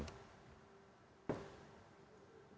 baik ini presentase kemenangan sementara